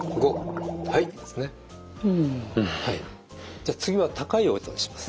じゃあ次は高い音出します。